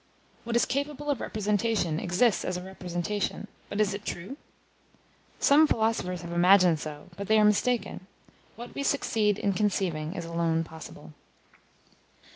What is capable of representation exists as a representation, but is it true? Some philosophers have imagined so, but they are mistaken; what we succeed in conceiving is alone possible.